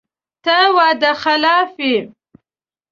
ته وعده خلافه یې !